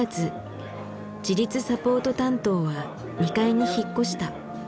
自立サポート担当は２階に引っ越した。